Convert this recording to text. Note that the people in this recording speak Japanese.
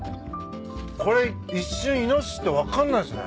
これ一瞬イノシシって分かんないっすね。